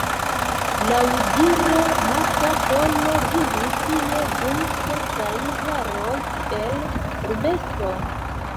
Laŭdire Marko Polo vivis tie dum kelkaj jaroj kiel urbestro.